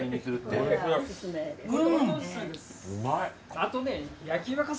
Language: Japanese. あとね。